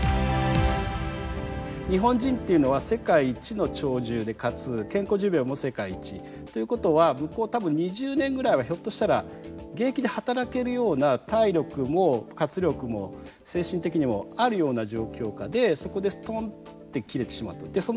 日本人っていうのは世界一の長寿でかつ健康寿命も世界一。ということは向こう多分２０年ぐらいはひょっとしたら現役で働けるような体力も活力も精神的にもあるような状況下でそこでストンって切れてしまうと。